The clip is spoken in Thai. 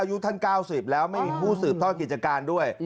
อายุท่าน๙๐แล้วไม่มีผู้สืบทอดกิจการด้วย